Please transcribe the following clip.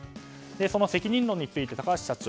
その責任論について高橋社長